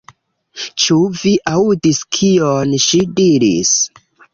Ĉu vi aŭdis kion ŝi diris?